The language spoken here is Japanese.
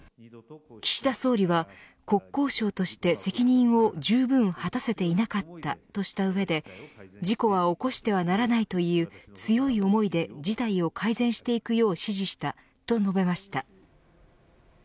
岸田総理は国交省として責任をじゅうぶん果たせていなかったとした上で事故は起こしてはならないという強い思いで事態を改善していくよう指示した、と述べました。